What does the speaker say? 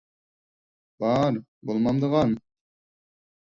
بار، بولمامدىغان.